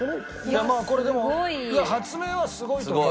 これでも発明はすごいと思う。